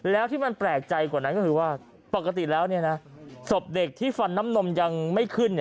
แล้วที่มันแปลกใจกว่านั้นก็คือว่าปกติแล้วศพเด็กที่ฟันน้ำนมยังไม่ขึ้น